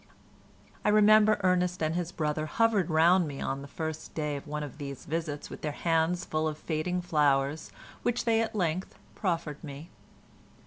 I remember Ernest and his brother hovered round me on the first day of one of these visits with their hands full of fading flowers, which they at length proffered me.